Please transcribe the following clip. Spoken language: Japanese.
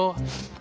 あ。